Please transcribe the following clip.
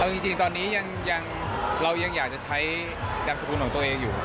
เอาจริงตอนนี้เรายังอยากจะใช้นามสกุลของตัวเองอยู่